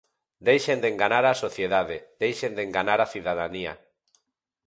Deixen de enganar a sociedade, deixen de enganar a cidadanía.